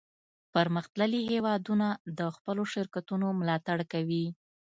پرمختللي هیوادونه د خپلو شرکتونو ملاتړ کوي